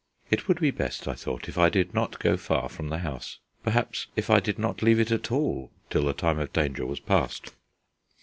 It would be best, I thought, if I did not go far from the house perhaps even if I did not leave it at all till the time of danger was past.